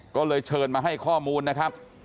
ก็เลยเชิญมาให้ข้อมูลนะครับ